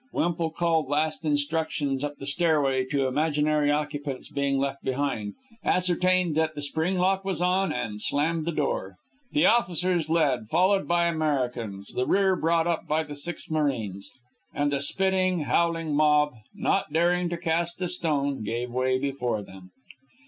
Wemple called last instructions up the stairway to imaginary occupants being left behind, ascertained that the spring lock was on, and slammed the door. The officers led, followed by the Americans, the rear brought up by the six marines; and the spitting, howling mob, not daring to cast a stone, gave way before them.